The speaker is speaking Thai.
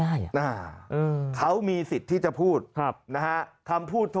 อ่าเขามีสิทธิ์ที่จะพูดนะฮะ